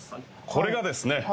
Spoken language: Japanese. これがですね